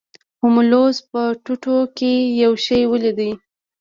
هولمز په ټوټو کې یو شی ولید.